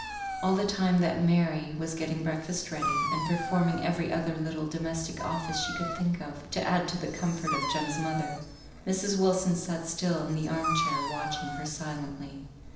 All the time that Mary was getting breakfast ready, and performing every other little domestic office she could think of, to add to the comfort of Jem's mother, Mrs. Wilson sat still in the arm chair, watching her silently.